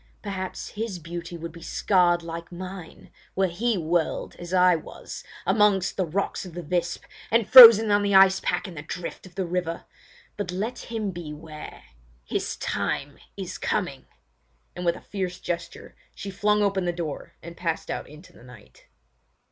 Perhaps his beauty would be scarred like mine were he whirled, as I was, among the rocks of the Visp, and frozen on the ice pack in the drift of the river. But let him beware! His time is coming!" and with a fierce gesture she flung open the door and passed out into the night.